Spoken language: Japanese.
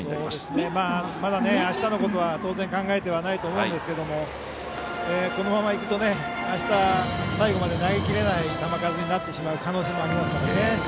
まだあしたのことは当然考えてはないと思うんですがこのままいくとあした、最後まで投げきれない球数になってしまう可能性もありますからね。